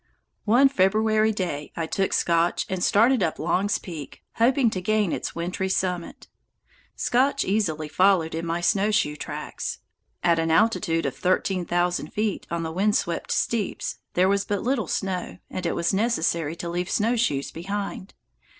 One February day I took Scotch and started up Long's Peak, hoping to gain its wintry summit. Scotch easily followed in my snowshoe tracks. At an altitude of thirteen thousand feet on the wind swept steeps there was but little snow, and it was necessary to leave snowshoes behind.